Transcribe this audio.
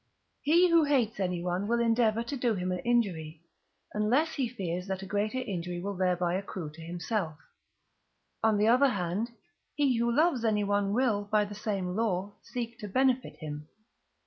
He who hates anyone will endeavour to do him an injury, unless he fears that a greater injury will thereby accrue to himself; on the other hand, he who loves anyone will, by the same law, seek to benefit him.